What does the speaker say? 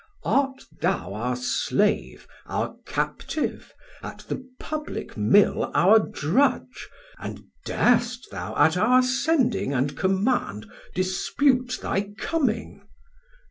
Art thou our Slave, Our Captive, at the public Mill our drudge, And dar'st thou at our sending and command Dispute thy coming?